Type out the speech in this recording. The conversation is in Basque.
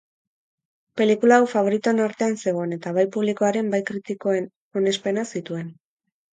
Pelikula hau faboritoen artean zegoen eta bai publikoaren bai kritikoen onespena zituen.